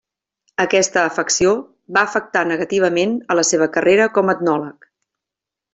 Aquesta afecció va afectar negativament a la seva carrera com etnòleg.